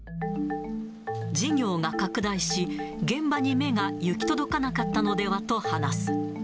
事業が拡大し、現場に目が行き届かなかったのではと話す。